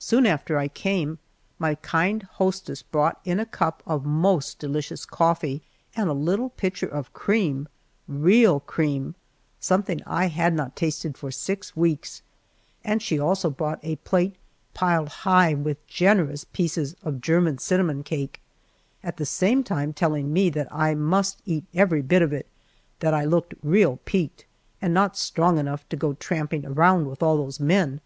Soon after I came my kind hostess brought in a cup of most delicious coffee and a little pitcher of cream real cream something I had not tasted for six weeks, and she also brought a plate piled high with generous pieces of German cinnamon cake, at the same time telling me that I must eat every bit of it that I looked "real peaked," and not strong enough to go tramping around with all those men!